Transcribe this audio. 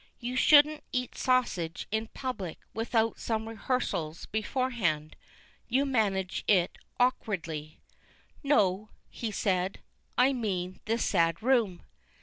You shouldn't eat sassige in public without some rehearsals beforehand. You manage it orkwardly." "No," he said, "I mean this sad room."